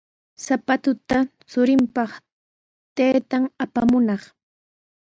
Sapatuta churinpaq taytan apamunaq.